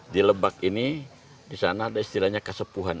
di lebak ini di sana ada istilahnya kasepuhan